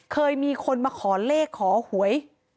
เคยมีคนมาขอเลขขอหวย